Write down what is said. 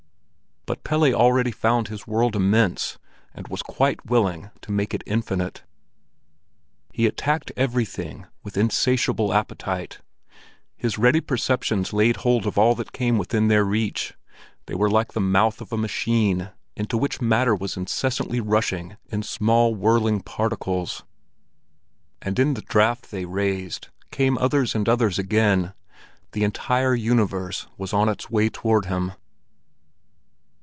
But Pelle already found his world immense, and was quite willing to make it infinite. He attacked everything with insatiable appetite; his ready perceptions laid hold of all that came within their reach; they were like the mouth of a machine, into which matter was incessantly rushing in small, whirling particles. And in the draught they raised, came others and again others; the entire universe was on its way toward him.